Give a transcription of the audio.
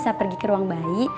saya pergi ke ruang bayi